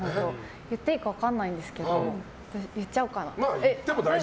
言っていいか分かんないですけど言っちゃおうかな。